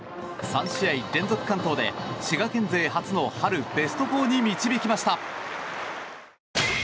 ３試合連続完投で滋賀県勢初の春ベスト４に導きました。